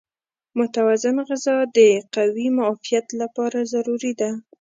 متوازن غذا د قوي معافیت لپاره ضروري ده.